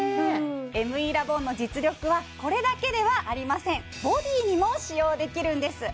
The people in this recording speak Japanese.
ＭＥラボンの実力はこれだけではありませんボディにも使用できるんです